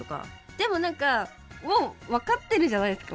でも何かもう分かってるじゃないですか。